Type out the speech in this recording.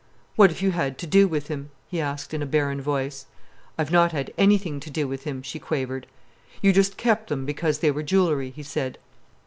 "What have you had to do with him?" he asked, in a barren voice. "I've not had anything to do with him," she quavered. "You just kept 'em because they were jewellery?" he said.